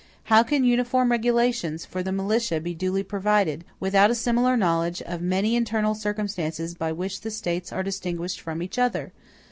How can uniform regulations for the militia be duly provided, without a similar knowledge of many internal circumstances by which the States are distinguished from each other?